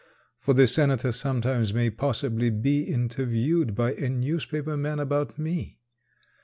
For the senator sometime may possibly be Interviewed by a newspaper man about me.